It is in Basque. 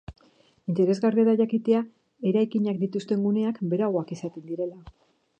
Interesgarria da jakitea eraikinak dituzten guneak beroagoak izaten direla.